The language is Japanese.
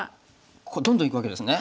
ここどんどんいくわけですね。